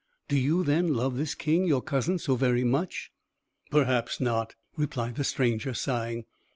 Do you, then, love this king, your cousin, so very much?" "Perhaps not," replied the stranger, sighing.